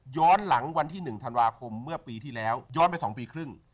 หลังวันที่๑ธันวาคมเมื่อปีที่แล้วย้อนไป๒ปีครึ่ง